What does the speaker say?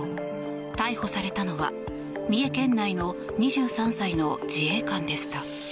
逮捕されたのは、三重県内の２３歳の自衛官でした。